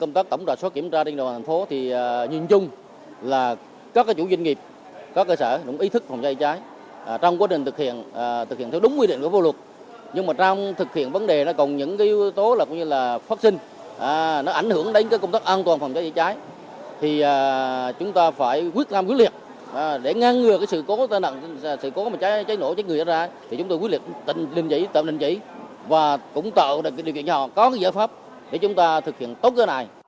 chúng tôi quyết định tạm linh chỉ và cũng tạo được điều kiện cho họ có giải pháp để chúng ta thực hiện tốt cơ này